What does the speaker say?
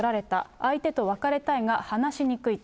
相手と別れたいが話しにくいと。